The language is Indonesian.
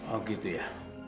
oh gitu ya